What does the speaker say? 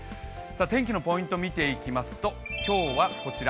天気のポイント見ていきますと今日はこちら。